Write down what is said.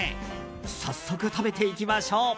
早速、食べていきましょう。